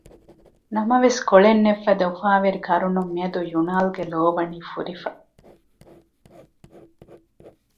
ނަމަވެސް ކޮޅެއް ނެތްފަދަ އުފާވެރި ކަރުނުން މިއަދު ޔުނާލްގެ ލޯ ވަނީ ފުރިފަ